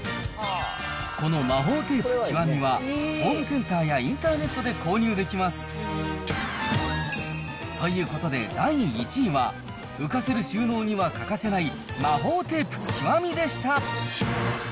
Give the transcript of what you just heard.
この魔法テープ極は、ホームセンターやインターネットで購入できます。ということで、第１位は浮かせる収納には欠かせない魔法テープ極でした。